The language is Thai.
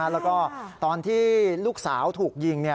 แล้วก็ตอนที่ลูกสาวถูกยิง